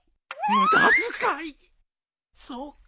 そうか。